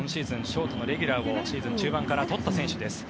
ショートのレギュラーをシーズン中盤から取った選手です。